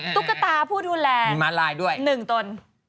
ตุ๊กตาผู้ดูแล๑ตน